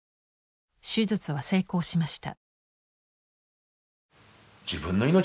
手術は成功しました。